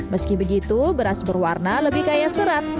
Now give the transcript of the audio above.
meski begitu beras berwarna lebih kaya serat